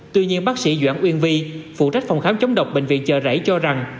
tuy nhiên bác sĩ doãn uyên vi phụ trách phòng khám chống độc bệnh viện chờ rảy cho rằng